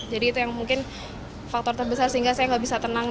jadi itu yang mungkin faktor terbesar sehingga saya gak bisa tenang